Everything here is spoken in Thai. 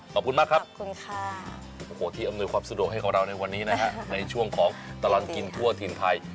ขอบคุณมากครับที่อำนวยความสะดวกให้ของเราในวันนี้นะครับในช่วงของตลัดกินทั่วทีนไทย